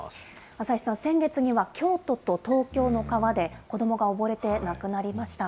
浅石さん、先月には京都と東京の川で、子どもが溺れて亡くなりました。